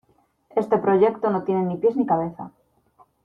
Este proyecto no tiene ni pies ni cabeza.